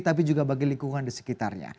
tapi juga bagi lingkungan di sekitarnya